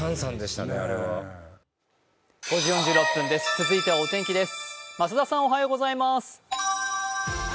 続いてはお天気です。